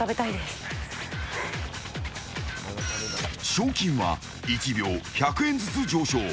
賞金は１秒１００円ずつ上昇。